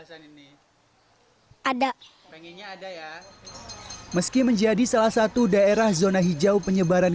ada pengennya ada ya meski menjadi salah satu daerah zona hijau penyebaran